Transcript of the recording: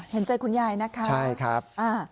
เห็นใจคุณยายนะคะใช่ครับ